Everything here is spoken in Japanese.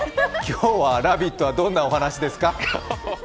今日は「ラヴィット！」はどんなお話ですか？